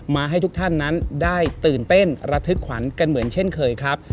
มาให้ทุกท่านนั้นได้ตื่นเต้นระทึกขวัญกันเหมือนเช่นเคยครับ